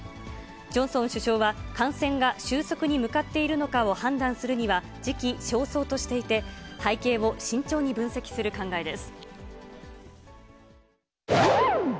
ジョンソン首相は感染が収束に向かっているのかを判断するには時期尚早としていて、背景を慎重に分析する考えです。